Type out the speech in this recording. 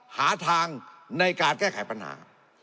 หาทางในการแก้ไขปัญหา